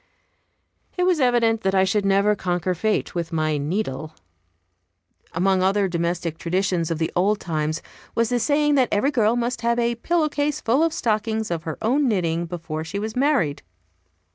It was evident that I should never conquer fate with my needle. Among other domestic traditions of the old times was the saying that every girl must have a pillow case full of stockings of her own knitting before she was married.